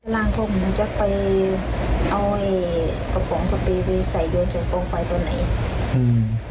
ล้างคอกหมูจะไปเอาตระป๋องสะเปียงไปใส่โดนจากตรงไฟตัวไหน